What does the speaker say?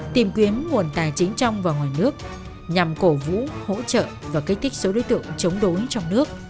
tìm kiếm nguồn tài chính trong và ngoài nước nhằm cổ vũ hỗ trợ và kích thích số đối tượng chống đối trong nước